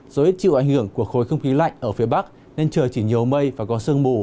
do ít chịu ảnh hưởng của khối không khí lạnh ở phía bắc nên trời chỉ nhiều mây và có sương mù